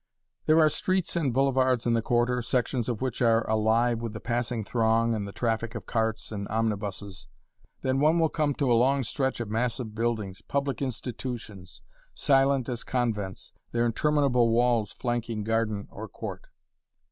There are streets and boulevards in the Quarter, sections of which are alive with the passing throng and the traffic of carts and omnibuses. Then one will come to a long stretch of massive buildings, public institutions, silent as convents their interminable walls flanking garden or court.